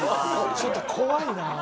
ちょっと怖いな。